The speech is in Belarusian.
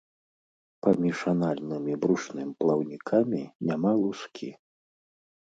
Паміж анальным і брушным плаўнікамі няма лускі.